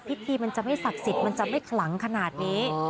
พิธีมันจะไม่ศักดิ์สิทธิ์มันจะไม่ขลังขนาดนี้